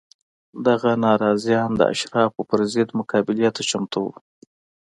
دغه ناراضیان د اشرافو پر ضد مقابلې ته چمتو وو